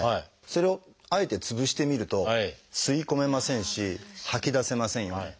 それをあえて潰してみると吸い込めませんし吐き出せませんよね。